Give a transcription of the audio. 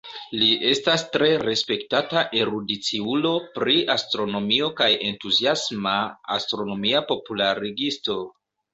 Li estas tre respektata erudiciulo pri astronomio kaj entuziasma astronomia popularigisto.